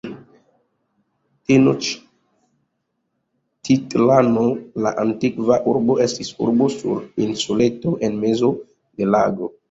Tenoĉtitlano, la antikva urbo, estis urbo sur insuleto en mezo de lago.